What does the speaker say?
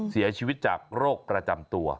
เสียชีวิตจากโรคประจำตัว